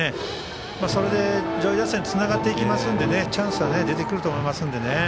それで、上位打線につながっていきますのでチャンスは出てくると思います。